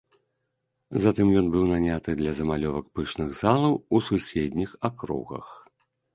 Затым ён быў наняты для замалёвак пышных залаў у суседніх акругах.